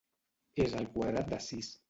És el quadrat de sis.